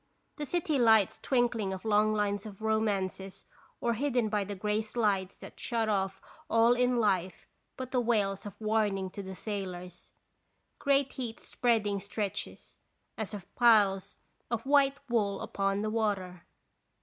The city lights twinkling of long lines of romances or hidden by the gray slides that shut off all in life but the wails of warning to the sailors. Great heat spreading stretches, as of piles of white wool upon the water.